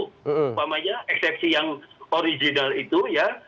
umpamanya eksepsi yang original itu ya